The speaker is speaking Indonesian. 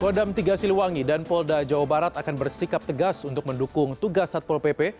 kodam tiga siliwangi dan polda jawa barat akan bersikap tegas untuk mendukung tugas satpol pp